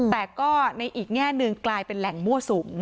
แต่ก็ในอีกแง่หนึ่งกลายเป็นแหล่งมั่วสุม